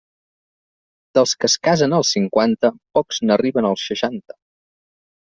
Dels que es casen als cinquanta, pocs n'arriben als seixanta.